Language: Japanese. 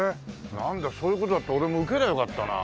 なんだそういう事だったら俺も受けりゃよかったなあ。